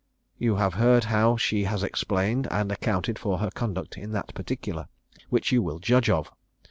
You have heard how she has explained and accounted for her conduct in that particular, which you will judge of.